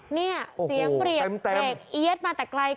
เนี่ยเสียงเปลี่ยนเปลี่ยนเอี๊ยดมาแต่ไกล